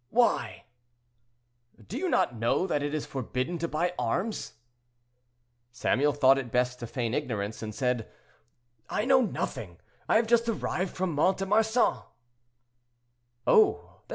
"Why?" "Do you not know that it is forbidden to buy arms?" Samuel thought it best to feign ignorance, and said, "I know nothing; I have just arrived from Mont de Marsan."